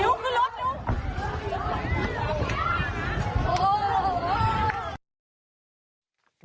โอ้โห